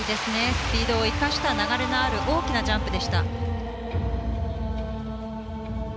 スピードを生かした流れのある大きなジャンプでした。